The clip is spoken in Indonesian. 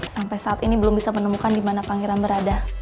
sampai saat ini belum bisa menemukan dimana pangeran berada